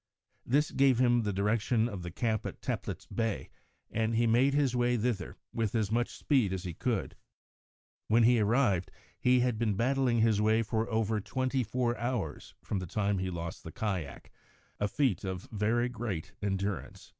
This gave him the direction of the camp at Teplitz Bay, and he made his way thither, with as much speed as he could. When he arrived, he had been battling his way for over twenty four hours, from the time he lost his kayak, a feat of very great endurance.